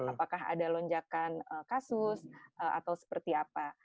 apakah ada lonjakan kasus atau seperti apa